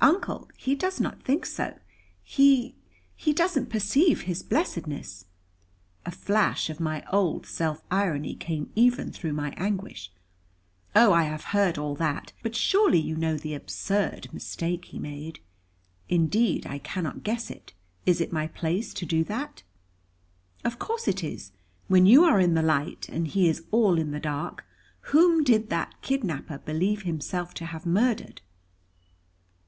"But, Uncle, he does not think so, he he doesn't perceive his blessedness." A flash of my old self irony came even through my anguish. "Oh, I have heard all that. But surely you know the absurd mistake he made." "Indeed, I cannot guess it. Is it my place to do that?" "Of course it is; when you are in the light, and he is all in the dark. Whom did that kidnapper believe himself to have murdered?"